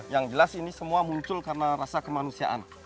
yang jelas ini semua muncul karena rasa kemanusiaan